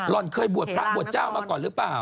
่อนเคยบวชพระบวชเจ้ามาก่อนหรือเปล่า